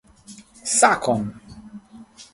Sakon!